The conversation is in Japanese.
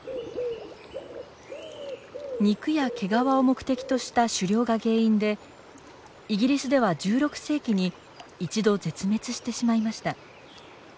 肉や毛皮を目的とした狩猟が原因でイギリスでは１６世紀に一度絶滅してしまいました。